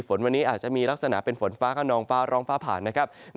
ฝนอาจมีลักษณะเป็นฝนฟ้าข้ารองอางร้องฟ้าผ่าน